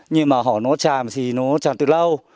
nhưng mà họ nó chạm thì nó chạm từ lâu